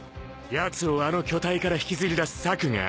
やつをあの巨体から引きずり出す策がある。